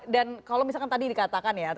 dan kalau misalkan tadi dikatakan ya